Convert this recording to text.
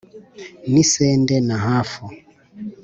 N'isende na hafu,